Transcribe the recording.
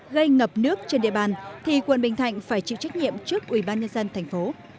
gây ngập nước trên địa bàn thì quận bình thạnh phải chịu trách nhiệm trước ubnd tp